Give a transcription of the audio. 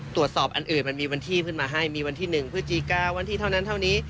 อันอื่นมันมีวันที่ขึ้นมาให้มีวันที่๑พฤศจิกาวันที่เท่านั้นเท่านี้